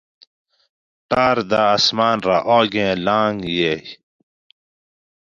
ٹاۤردہ اسماۤن رہ آگاں لانگ یائی